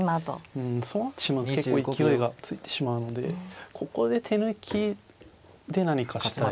うんそうなってしまうと結構勢いがついてしまうのでここで手抜きで何かしたいところですね。